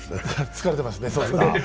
疲れてますね。